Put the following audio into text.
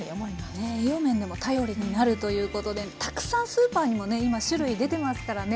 ねえ栄養面でも頼りになるということでたくさんスーパーにもね今種類出てますからね